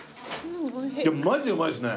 マジでうまいっすね。